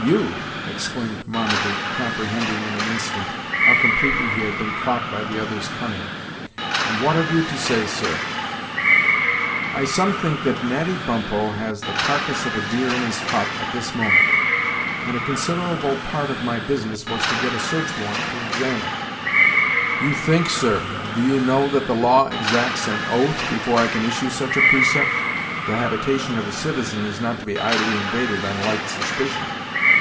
"You!" exclaimed Marmaduke, comprehending in an instant how completely he had been caught by the other's cunning; "and what have you to say, sir?" "I some think that Natty Bumppo has the carcass of a deer in his hut at this moment, and a considerable part of my business was to get a search warrant to examine." "You think, sir! do you know that the law exacts an oath, before I can issue such a precept? The habitation of a citizen is not to be idly invaded on light suspicion."